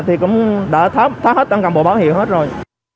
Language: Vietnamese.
thì cũng đã tháp hết đang cầm bộ báo hiệu hết rồi